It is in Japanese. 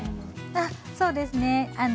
そうですね